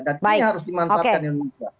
dan ini harus dimanfaatkan indonesia